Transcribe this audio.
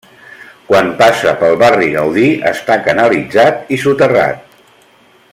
Quan passa pel Barri Gaudí està canalitzat i soterrat.